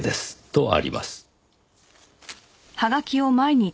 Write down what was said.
とあります。